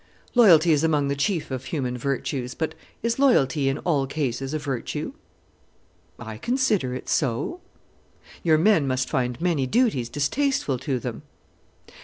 "Loyalty is among the chief of human virtues. But is loyalty in all cases a virtue?" "I consider it so." "Your men must find many duties distasteful to them."